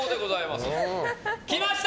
来ました！